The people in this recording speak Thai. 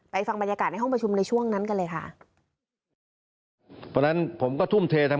ฟังบรรยากาศในห้องประชุมในช่วงนั้นกันเลยค่ะ